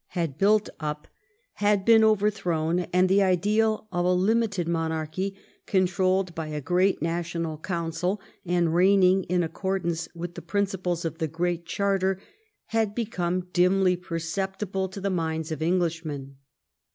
had built up had been overthrown, and the ideal of a limited monarchy, controlled by a great national council, and reigning in accordance with the principles of the Great Charter, had become dimly per ceptible to the minds of Englishmen.